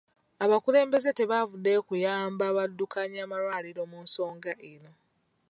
Abakulembeze tebavuddeeyo kuyamba baddukanya malwaliro mu nsonga eno